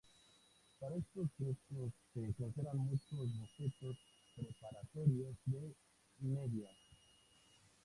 Para estos frescos se conservan muchos bocetos preparatorios de Nebbia.